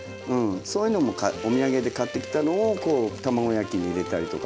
そういうのもお土産で買ってきたのを卵焼きに入れたりとかしてましたね。